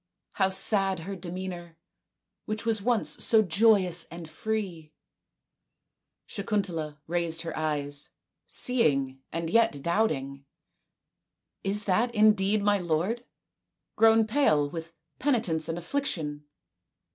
How sad her demeanour, which was once so joyous and so free !" Sakuntala raised her eyes, seeing and yet doubting. " Is that indeed my lord, grown pale with penitence and affliction